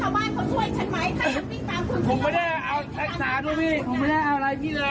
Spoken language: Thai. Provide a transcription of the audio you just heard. แล้วก็ต้องโบรสไทยเฉพาะเขาช่วยขนไมข้าอยากมิ่งตามผม